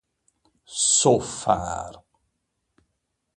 So Far